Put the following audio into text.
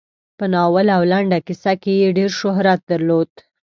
په ناول او لنډه کیسه کې یې ډېر شهرت درلود.